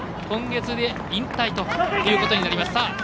今月で引退ということになります。